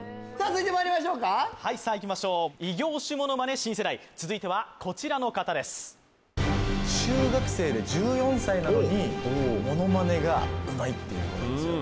続いてまいりましょうかはいさあいきましょう異業種ものまね新世代続いてはこちらの方です中学生で１４歳なのにっていう子なんですよ